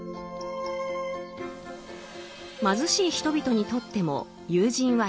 貧しい人々にとっても友人は必要だ。